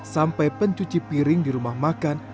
sampai pencuci piring di rumah makan